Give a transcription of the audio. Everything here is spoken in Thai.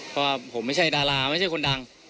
เพราะว่าผมไม่ใช่ดาราไม่ใช่คนดัง